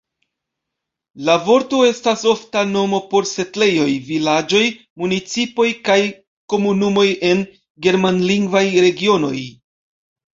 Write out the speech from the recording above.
La vorto estas ofta nomo por setlejoj, vilaĝoj, municipoj kaj komunumoj en germanlingvaj regionoj.